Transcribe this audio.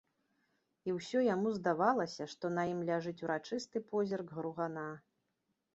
І ўсё яму здавалася, што на ім ляжыць урачысты позірк гругана.